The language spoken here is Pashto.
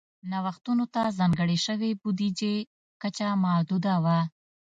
نوښتونو ته ځانګړې شوې بودیجې کچه محدوده وه.